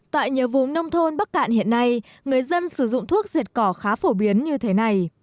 tại nhiều vùng nông thôn bắc cạn hiện nay người dân sử dụng thuốc diệt cỏ khá phổ biến như thế này